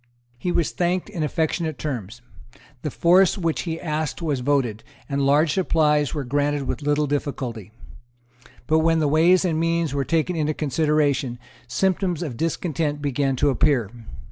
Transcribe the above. He was thanked in affectionate terms; the force which he asked was voted; and large supplies were granted with little difficulty. But when the Ways and Means were taken into consideration, symptoms of discontent began to appear.